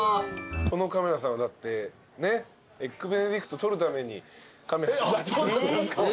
このカメラさんはだってエッグベネディクト撮るためにカメラさんやってる。